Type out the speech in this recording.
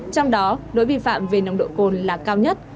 trong đó đối với vi phạm về nồng độ cồn là cao nhất